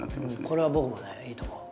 これは僕もねいいと思う。